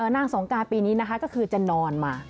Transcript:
นางสงการปีนี้นะคะก็คือจะนอนมา